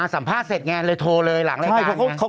สัมภาษณ์เสร็จไงเลยโทรเลยหลังรายการ